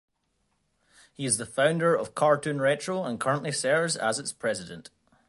He is the founder of CartoonRetro and currently serves as its president.